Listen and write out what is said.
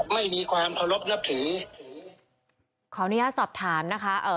ไม่มีความเคารพนับถือขออนุญาตสอบถามนะคะเอ่อ